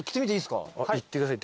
いってください。